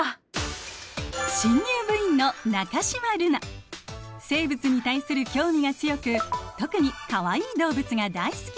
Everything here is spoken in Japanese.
新入部員の生物に対する興味が強く特にかわいい動物が大好き。